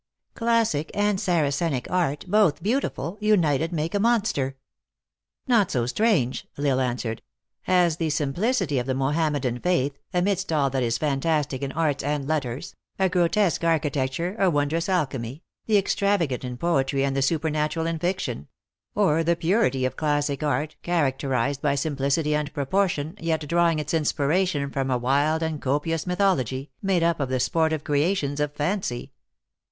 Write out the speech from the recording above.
Classic and Saracenic art, both beautiful, united make a monster." " Not so strange," L Isle answered, " as the simplic ity of the Mohammedan faith, amidst all that is fantastic in arts and letters a grotesque architecture, a wondrous alchemy, the extravagant in poetry and the supernatural in fiction ; or the purity of classic art, characterized by simplicity and proportion, yet drawing its inspiration from a wild and copious myth ology, made up of the sportive creations of fancy."